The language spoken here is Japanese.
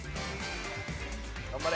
頑張れ！